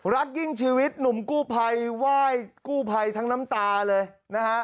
รักยิ่งชีวิตหนุ่มกู้ภัยไหว้กู้ภัยทั้งน้ำตาเลยนะฮะ